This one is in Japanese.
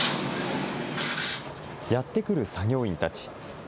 やって来る作業員たち。